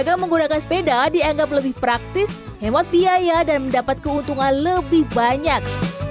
pedagang menggunakan sepeda dianggap lebih praktis hemat biaya dan mendapat keuntungan lebih banyak